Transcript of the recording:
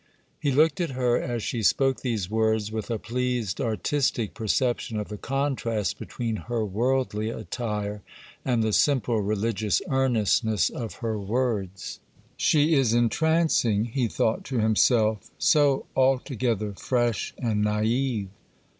He looked at her as she spoke these words with a pleased, artistic perception of the contrast between her worldly attire and the simple religious earnestness of her words. 'She is entrancing,' he thought to himself; 'so altogether fresh and naïve.